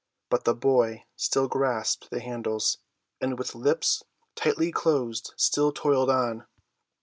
But the boy still grasped the handles, and with lips tightly closed still toiled on.